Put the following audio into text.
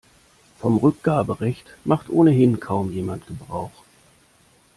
Vom Rückgaberecht macht ohnehin kaum jemand Gebrauch.